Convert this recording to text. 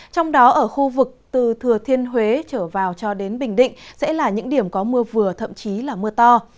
trong đó ở khu vực từ thừa thiên huế trở vào cho đến bình định sẽ là những điểm có mưa vừa thậm chí là mưa to